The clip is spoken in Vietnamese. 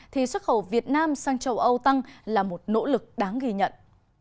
thì xuất khẩu việt nam sang châu âu tăng là một nỗ lực đáng ghi nhận